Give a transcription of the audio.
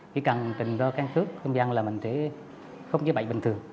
khi cần trình do căn cước công dân là mình chỉ không giới bày bình thường